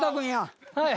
はい。